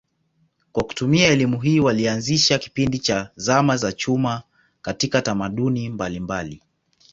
Kwa kutumia elimu hii walianzisha kipindi cha zama za chuma katika tamaduni mbalimbali.